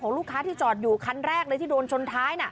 ลูกค้าที่จอดอยู่คันแรกเลยที่โดนชนท้าย